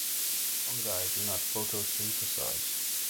Fungi do not photosynthesize.